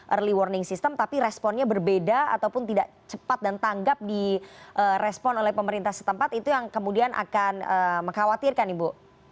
early warning system tapi responnya berbeda ataupun tidak cepat dan tanggap di respon oleh pemerintah setempat itu yang kemudian akan mengkhawatirkan ibu